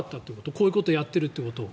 こういうことをやっているということを。